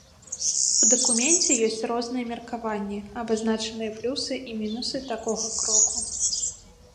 У дакуменце ёсць розныя меркаванні, абазначаныя плюсы і мінусы такога кроку.